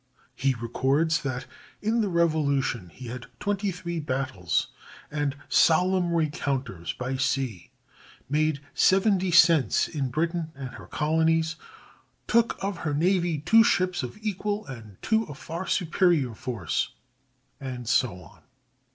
He records that "in the Revolution he had twenty three battles and solemn rencounters by sea; made seven descents in Britain and her colonies; took of her navy two ships of equal and two of far superior force," and so on.